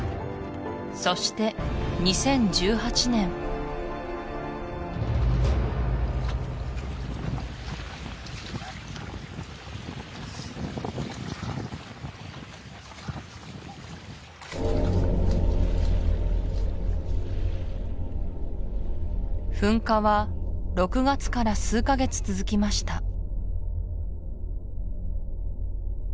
そして２０１８年噴火は６月から数カ月続きました